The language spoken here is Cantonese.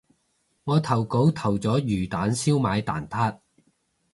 我投稿投咗魚蛋燒賣蛋撻